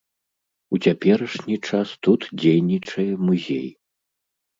У цяперашні час тут дзейнічае музей.